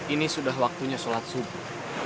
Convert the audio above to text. ini sudah waktunya sholat subuh